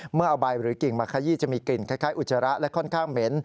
เมื่อเอาใบหรือกิ่งมาขยี้จะมีกลิ่นคล้ายอุจจาระและค่อนข้างเหม็น